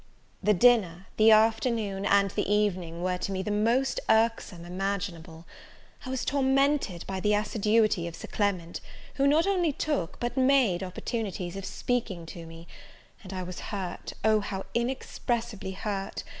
The dinner, the afternoon, and the evening, were to me the most irksome imaginable: I was tormented by the assiduity of Sir Clement, who not only took, but made opportunities of speaking to me, and I was hurt, Oh, how inexpressibly hurt!